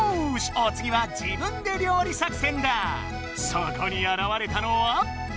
おつぎはそこにあらわれたのは。